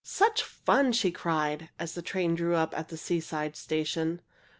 "Such fun," she cried, as the train drew up at the seaside station.